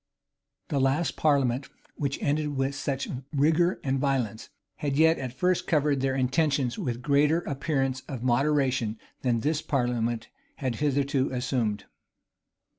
The last parliament, which ended with such rigor and violence, had yet at first covered their intentions with greater appearance of moderation than this parliament had hitherto assumed.